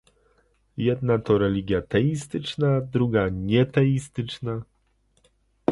jedna to religia teistyczna, druga nieteistyczna